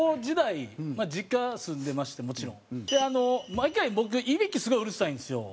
毎回僕いびきすごいうるさいんですよ。